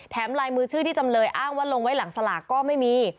ลายมือชื่อที่จำเลยอ้างว่าลงไว้หลังสลากก็ไม่มี